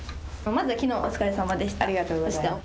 まずきのうはお疲れさまでした。